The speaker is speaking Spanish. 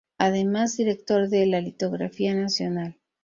Además, director de la Litografía Nacional.